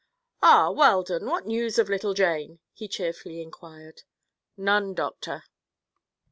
"Ah, Weldon; what news of little Jane?" he cheerfully inquired. "None, Doctor."